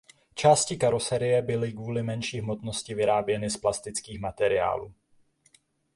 Části karoserie byly kvůli menší hmotnosti vyráběny z plastických materiálů.